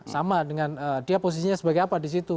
sama dengan dia posisinya sebagai apa di situ